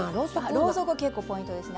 ろうそくは結構ポイントですね。